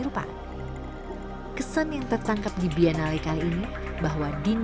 sudah menjadi tanda tanda yang menarik